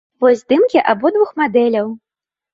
Вось здымкі абодвух мадэляў.